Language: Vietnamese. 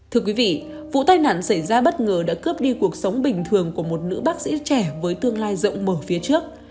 thưa quý vị vụ tai nạn xảy ra bất ngờ đã cướp đi cuộc sống bình thường của một nữ bác sĩ trẻ với tương lai rộng mở phía trước